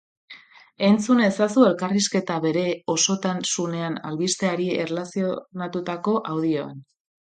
Entzun ezazu elkarrizketa bere osotasunean albisteari erlazionatutako audioan.